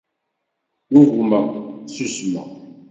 Ggugmeɣ, ssusmeɣ.